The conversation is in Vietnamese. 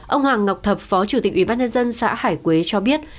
ông hoàng ngọc thập phó chủ tịch ubnd xã hải quế cho biết